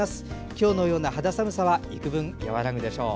今日のような肌寒さは幾分和らぐでしょう。